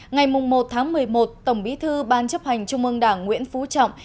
ngày một một mươi một tổng bí thư ban chấp hành trung mương đảng nguyễn phú trọng